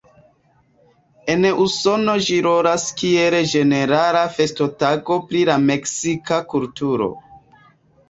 En Usono ĝi rolas kiel ĝenerala festotago pri la meksika kulturo.